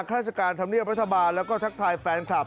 ราชการธรรมเนียบรัฐบาลแล้วก็ทักทายแฟนคลับ